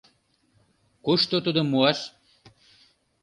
«Кушто тудым муаш?